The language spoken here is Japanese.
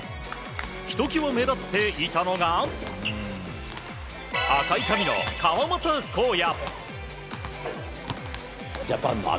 ひときわ目立っていたのが赤い髪の、川真田紘也。